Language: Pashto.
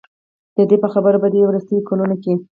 د دې په خبره په دې وروستیو کلونو کې